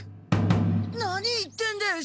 何言ってんだよ